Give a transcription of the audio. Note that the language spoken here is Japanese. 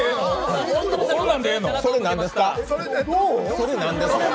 それ、何ですか？